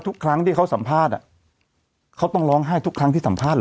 ทุกครั้งที่เขาสัมภาษณ์เขาต้องร้องไห้ทุกครั้งที่สัมภาษณ์